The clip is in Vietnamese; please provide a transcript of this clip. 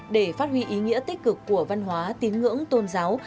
để phát huy ý nghĩa tích cực của văn hóa tín ngưỡng tôn giáo